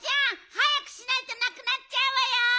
はやくしないとなくなっちゃうわよ。